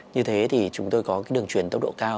như thế thì chúng tôi có đường truyền tốc độ cao